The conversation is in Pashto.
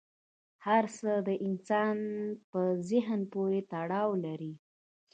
هر څه د انسان په ذهن پورې تړاو لري.